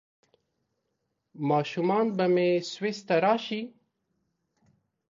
ماشومان به مې سویس ته راشي؟